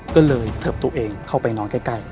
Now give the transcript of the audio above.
ก็เลยเทิบตัวเองเข้าไปนอนใกล้